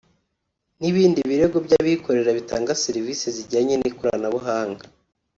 n’ibindi bigo by’abikorera bitanga serivisi zijyanye n’ikoranabuhanga